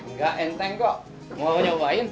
nggak enteng kok mau nyobain